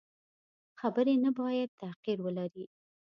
خبرې نه باید تحقیر ولري.